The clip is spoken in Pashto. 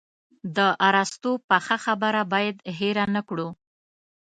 د ارسطو پخه خبره باید هېره نه کړو.